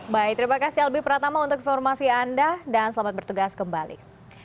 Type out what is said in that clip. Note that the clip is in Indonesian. baik terima kasih albi pratama untuk informasi anda dan selamat bertugas kembali